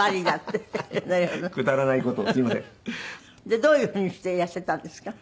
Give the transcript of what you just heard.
でどういうふうにして痩せたんですか？